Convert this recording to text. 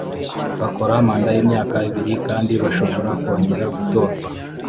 bakora manda y’imyaka ibiri kandi bashobora kongera gutorwa